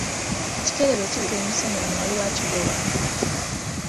"Ekikere bwe kibuuka emisana, omanya waliwo akigoba."